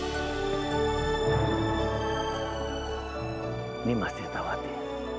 ini masih tak hati hati